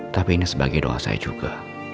tapi ini sebagai doa saya juga